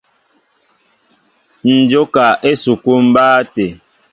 Ǹ jóka esukúlu mbáá tê.